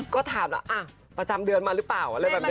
ก็ถามแล้วอ่ะประจำเดือนมาหรือเปล่าอะไรแบบนี้